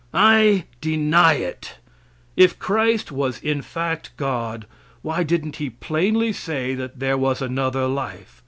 I deny it. If Christ was in fact God, why didn't He plainly say there was another life?